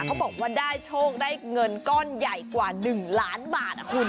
เขาบอกว่าได้โชคได้เงินก้อนใหญ่กว่า๑ล้านบาทคุณ